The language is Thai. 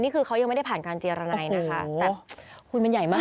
นี่คือเขายังไม่ได้ผ่านการเจรนัยนะคะแต่คุณมันใหญ่มาก